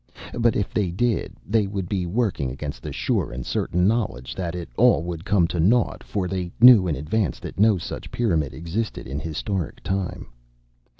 But if they did, they would be working against the sure and certain knowledge that it all would come to naught, for they knew in advance that no such pyramid existed in historic time.